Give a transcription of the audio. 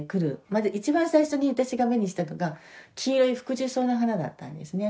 まず一番最初に私が目にしたのが黄色いフクジュソウの花だったんですね。